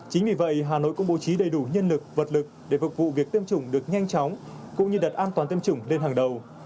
chính vì vậy hà nội cũng bố trí đầy đủ nhân lực vật lực để phục vụ việc tiêm chủng được nhanh chóng cũng như đặt an toàn tiêm chủng lên hàng đầu